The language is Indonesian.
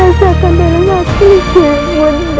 apapun yang terjadi